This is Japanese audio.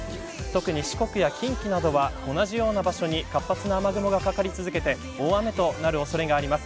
特に四国や近畿などは同じような場所に活発な雨雲がかかり続けて大雨になる可能性があります。